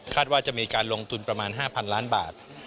ว่าจะมีการลงทุนประมาณ๕๐๐ล้านบาท